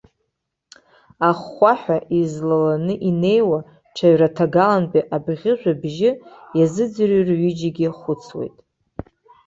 Ахәхәаҳәа излаланы инеиуа ҽаҩраҭагалантәи абӷьыжә абжьы иазыӡырҩуа рҩыџьегьы хәыцуеит.